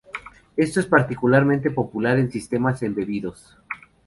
Esto es particularmente popular en sistemas embebidos.